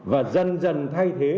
và dần dần thay thế